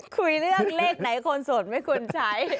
คุยเรื่องเลขไหนคนโสดไม่ควรใช้